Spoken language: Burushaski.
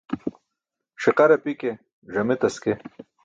Ṣiqar api ke ẓame taske.